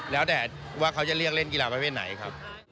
แล้วแต่ว่าเขาจะเรียกเล่นกีฬาประเภทไหนครับ